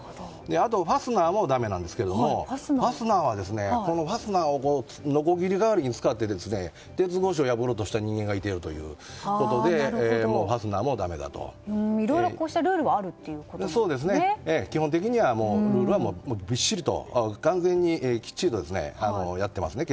あと、ファスナーもだめなんですけどファスナーはのこぎり代わりに使って鉄格子を破ろうとした人間がいてるということでいろいろ、こうした基本的にはルールはびっしりと完全にきっちりとやってますね。